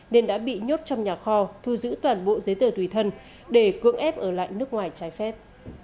nên đã bị nhốt trong nhà kho thu giữ toàn bộ giấy tờ tùy thân để cưỡng ép ở lại nước ngoài trái phép